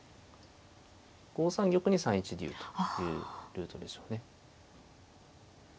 ５三玉に３一竜というルートでしょうね。